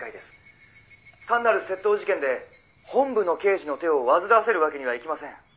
「単なる窃盗事件で本部の刑事の手を煩わせるわけにはいきません」